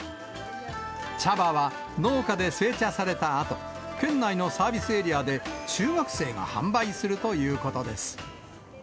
茶葉は農家で製茶されたあと、県内のサービスエリアで中学生が販売するということです。